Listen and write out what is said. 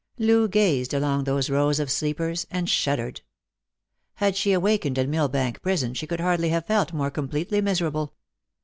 Loo gazed along those rows of sleepers, and shuddered. Had she awakened in Millbank prison she could hardly have felt more completely miserable.